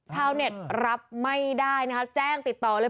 ชาวเน็ตรับไม่ได้นะคะแจ้งติดต่อเลย